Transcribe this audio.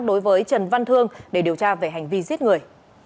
đối với trần văn thương để điều tra về hành vi giết người